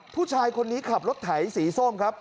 ผู้ชายคนนี้ขับรถไถสีส้มครับ